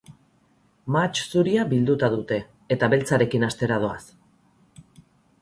Mahats zuria bilduta dute, eta beltzarekin hastera doaz.